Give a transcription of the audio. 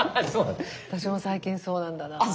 私も最近そうなんだなあ。